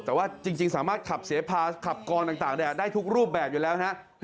แต่ว่าจริงสามารถขับเสพาขับกองต่างได้ทุกรูปแบบอยู่แล้วนะครับ